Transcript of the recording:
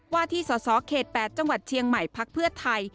ว่าที่สสเขต๘จังหวัดเชียงใหม่พักเพื่อไทย